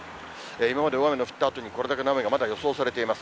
今まで大雨の降ったあとに、これだけの雨がまだ予想されています。